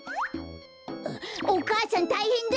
あっお母さんたいへんだ！